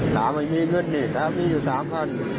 ตาไม่มีเงินตามีอยู่๓๐๐๐บาท